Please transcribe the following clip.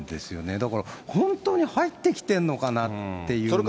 だから、本当に入ってきてんのかなっていうのが。